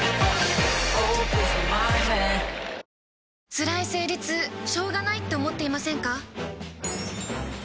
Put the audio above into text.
つらい生理痛しょうがないって思っていませんか？